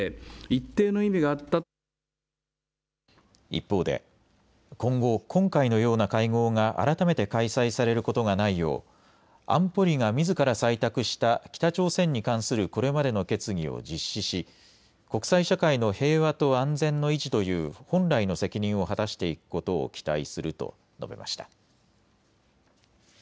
一方で、今後、今回のような会合が改めて開催されることがないよう安保理がみずから採択した北朝鮮に関するこれまでの決議を実施し国際社会の平和と安全の維持という本来の責任を果たしていくことを期待すると述べました。